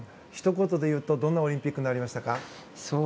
ひと言で言うとどんなオリンピックになりましたか？